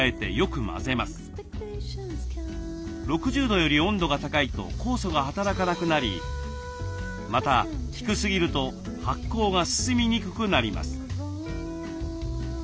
６０度より温度が高いと酵素が働かなくなりまた低すぎると発酵が進みにくくなります。